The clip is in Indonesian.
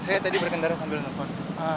saya tadi berkendara sambil nelfon